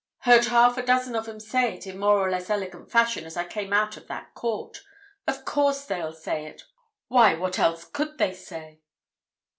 Heard half a dozen of 'em say it, in more or less elegant fashion as I came out of that court. Of course, they'll say it. Why, what else could they say?"